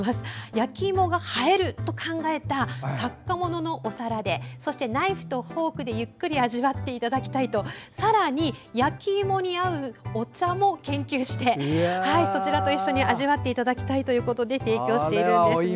焼きいもが映えると考えた作家もののお皿でそしてナイフとフォークでゆっくり味わっていただきたいとさらに焼き芋に合うお茶も研究して、そちらと一緒に味わっていただきたいということで提供しているんですね。